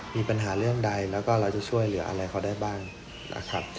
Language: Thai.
มีปัญหาเรื่องใดแล้วก็เราจะช่วยเหลืออะไรเขาได้บ้างนะครับ